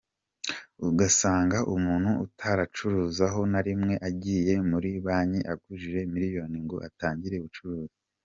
Ugasanga umuntu utaracuruzaho na rimwe agiye muri banki agujije miliyoni ngo atangire ubucuruzi.